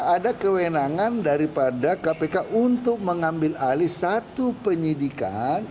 ada kewenangan daripada kpk untuk mengambil alih satu penyidikan